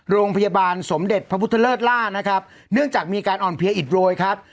โรงพยาบาลสมเด็จพระพุทธเลิศล่านะครับเนื่องจากมีการอ่อนเพลียอิดโรยครับ